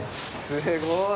すごい！